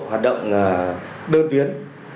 hoạt động đơn tiến